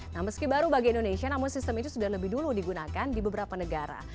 nah meski baru bagi indonesia namun sistem itu sudah lebih dulu digunakan di beberapa negara